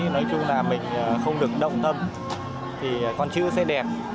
nói chung là mình không được động tâm thì con chữ sẽ đẹp